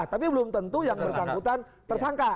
tapi belum tentu yang bersangkutan tersangka